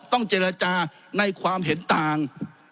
ต้องเจรจาในความเห็นต่าง